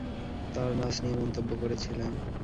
তার নাচ নিয়ে মন্তব্য করেছিলাম।